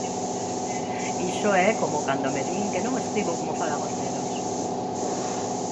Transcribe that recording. Iso é como cando me din que non escribo como falan os nenos.